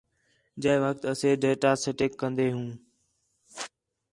جے وخت اسے ڈیٹا سیٹیک جاری کندے ہوں